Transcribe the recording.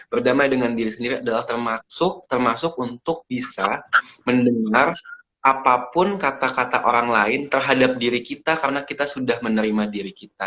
berdamai dengan diri sendiri adalah termasuk untuk bisa mendengar apapun kata kata orang lain terhadap diri kita karena kita sudah menerima diri kita